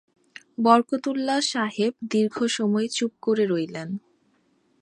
বরকতউল্লাহ সাহেব দীর্ঘ সময় চুপ করে রইলেন।